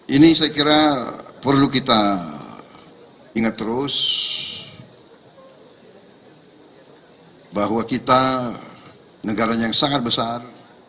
ini saya kira perlu kita ingat terus bahwa kita negara yang sangat besar